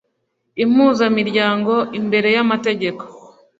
impuzamiryango imbere y amategeko